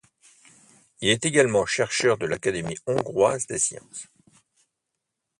Il est également chercheur de l'Académie hongroise des sciences.